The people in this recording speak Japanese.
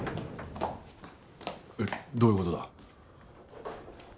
えっどういう事だ？